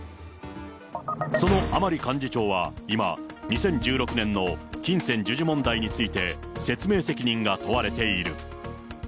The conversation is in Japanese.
その甘利幹事長は、今、２０１６年の金銭授受問題について説明責任が問われている。